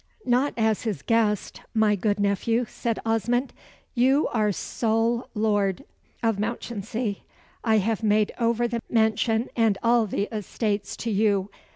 "Not as his guest, my good nephew," said Osmond. "You are sole lord of Mounchensey. I have made over the mansion and all the estates to you.